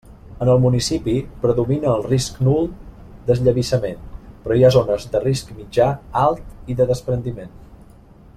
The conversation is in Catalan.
En el municipi, predomina el risc nul d'esllavissament, però hi ha zones de risc mitjà, alt i de despreniment.